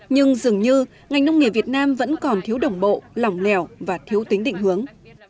nhưng dường như ngành nông nghiệp việt nam vẫn còn thiếu đồng bộ lỏng lẻo và thiếu tính định hướng